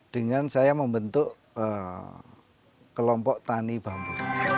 dengan saya membentuk kelompok tani bambu